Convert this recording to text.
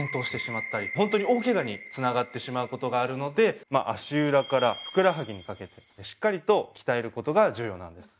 本当に大けがにつながってしまう事があるので足裏からふくらはぎにかけてしっかりと鍛える事が重要なんです。